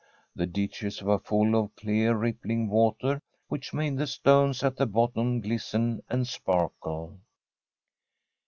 The ditches were full of clear, rippling water which made the stones at the bottom glisten and sparkle.